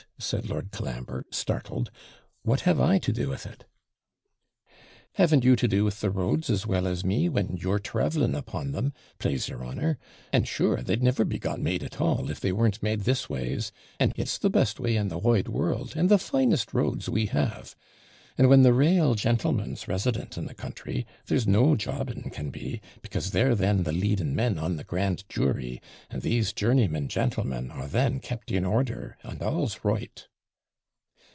said Lord Colambre, startled. 'What have I to do with it?' 'Haven't you to do with the roads as well as me, when you're travelling upon them, plase your honour? And sure, they'd never be got made at all, if they weren't made this ways; and it's the best way in the wide world, and the finest roads we have. And when the RAEL jantlemen's resident in the country, there's no jobbing can be, because they're then the leading men on the grand jury; and these journeymen jantlemen are then kept in order, and all's right.'